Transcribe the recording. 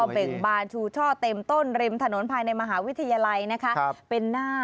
เบ่งบานชูช่อเต็มต้นริมถนนภายในมหาวิทยาลัยนะคะ